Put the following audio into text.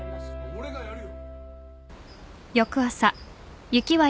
俺がやるよ。